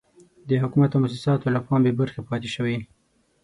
د حکومت او موسساتو له پام بې برخې پاتې شوي.